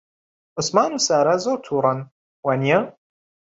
عوسمان و سارا زۆر تووڕەن، وانییە؟